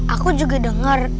aku juga denger